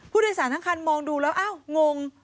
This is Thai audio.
ผู้โดยสารทั้งคันมองดูแล้วอ้าวงง